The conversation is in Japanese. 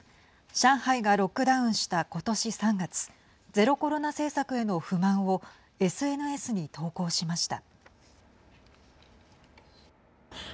上海がロックダウンした今年３月ゼロコロナ政策への不満をＳＮＳに投稿しました。